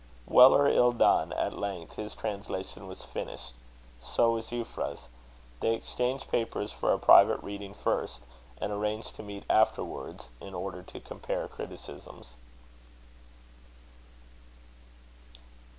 Well or ill done, at length his translation was finished. So was Euphra's. They exchanged papers for a private reading first; and arranged to meet afterwards, in order to compare criticisms.